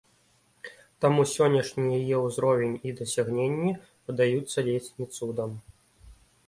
Таму сённяшні яе ўзровень і дасягненні падаюцца ледзь ні цудам.